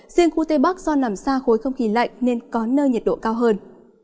riêng khu tây bắc do nằm xa khối không khí lạnh nên có nơi nhiệt độ cao hơn